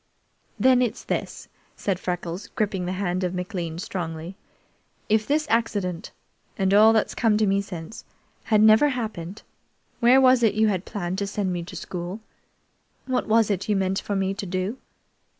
"Then it's this," said Freckles, gripping the hand of McLean strongly. "If this accident, and all that's come to me since, had never happened, where was it you had planned to send me to school? What was it you meant for me to do?"